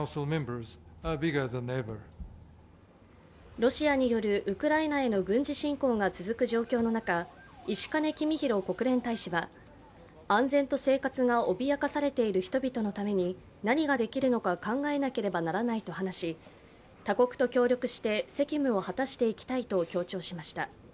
ロシアによるウクライナへの軍事侵攻が続く状況の中、石兼公博国連大使は安全と生活が脅かされている人々のために何ができるのか考えなければならないと話し、他国と協力して責務を果たしていきたいと強調しました。